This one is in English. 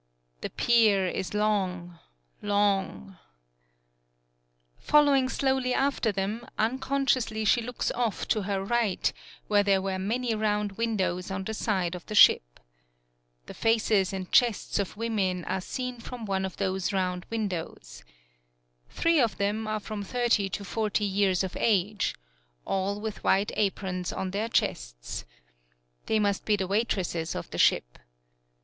The pier is long long Following slowly after them, uncon sciously she looks off to her right where there were many round windows on the side of the ship. The faces and chests of women are seen from one of those 59 PAULOWNIA round windows. Three of them are from thirty to forty years of age; all with white aprons on their chests. They must be the waitresses of the ship.